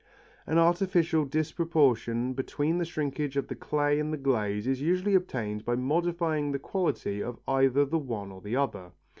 An artificial disproportion between the shrinkage of the clay and the glaze is usually obtained by modifying the quality of either the one or the other.